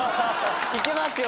いけますよ！